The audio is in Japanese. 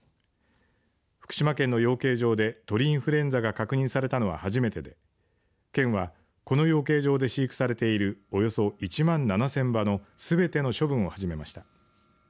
福島県の養鶏場で鳥インフルエンザが確認されたのは初めてで県は、この養鶏場で飼育されているおよそ１万７０００羽のすべての処分を始めました。